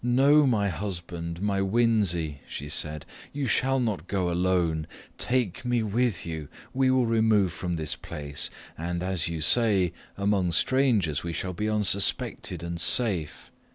"No, my husband, my Winzy," she said, "you shall not go alone take me with you; we will remove from this place, and, as you say, among strangers we shall be unsuspected and safe.